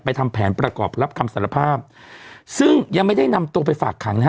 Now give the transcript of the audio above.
ทำแผนประกอบรับคำสารภาพซึ่งยังไม่ได้นำตัวไปฝากขังนะฮะ